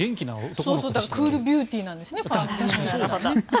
だからクールビューティーなんですね。